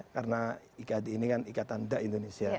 karena iqadi ini kan ikatan darah